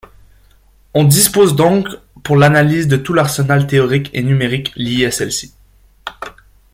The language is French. On dispose donc pour l'analyse de tout l'arsenal théorique et numérique liée à celle-ci.